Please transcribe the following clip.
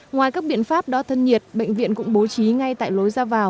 ngoài các biện pháp đo thân nhiệt bệnh viện cũng bố trí ngay tại lối ra vào